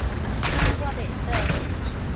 嚇我袂倒